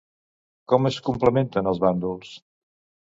Com es complementen els bàndols?